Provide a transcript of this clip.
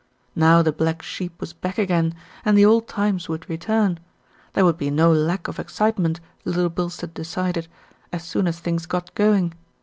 Now the black sheep was back again, and the old times would return. There would be no lack of excite ment, Little Bilstead decided, as soon as things got going.